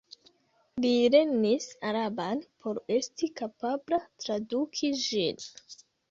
Li lernis araban por esti kapabla traduki ĝin.